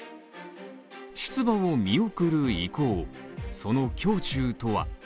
出馬を見送る意向、その胸中とは？